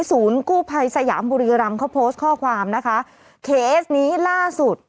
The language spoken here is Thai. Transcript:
ศูนย์กู้ภัยสยามบุรีรำเขาโพสต์ข้อความนะคะเคสนี้ล่าสุด